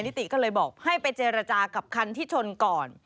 ติก็เลยบอกให้ไปเจรจากับคันที่ชนก่อน